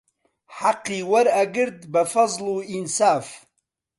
حەقی وەرئەگرت بە فەزڵ و ئینساف